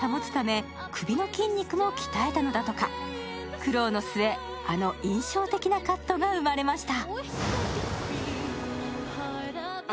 苦労の末、あの印象的なカットが生まれました。